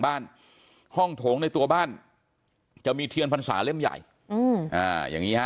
บ้านห้องโถงในตัวบ้านจะมีเทียนพรรษาเล่มใหญ่อย่างนี้ฮะ